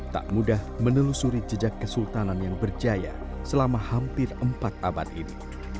tak mudah menelusuri jejak kesultanan yang berjaya selama hampir empat abad ini